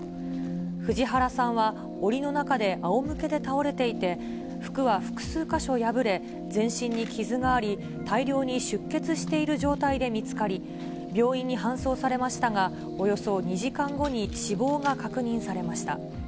藤原さんは、おりの中であおむけで倒れていて、服は複数箇所破れ、全身に傷があり、大量に出血している状態で見つかり、病院に搬送されましたが、およそ２時間後に死亡が確認されました。